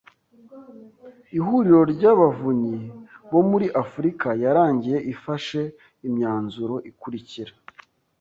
Ihuriro ry Abavunyi bo muri Afurika yarangiye ifashe Imyanzuro ikurikira